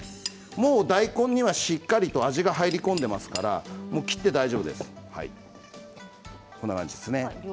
もう大根にはしっかりと味が入り込んでいますから水を切って大丈夫です。